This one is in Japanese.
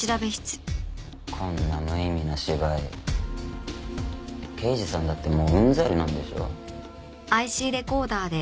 こんな無意味な芝居刑事さんだってもううんざりなんでしょ？